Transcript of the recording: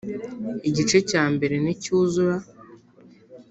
Igice cya mbere nicyuzura